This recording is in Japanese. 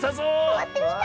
さわってみたい！